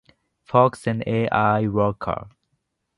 Fox and Al Roker.